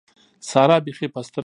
سارا بېخي په سترګو خبرې کولې.